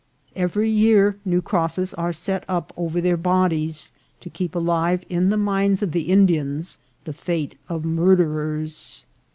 Every year new crosses are set up over their bodies, to keep alive in the minds of the In dians the fate of murderers.